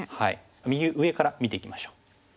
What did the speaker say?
右上から見ていきましょう。